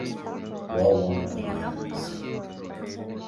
Lá amháin in aghaidh na míosa.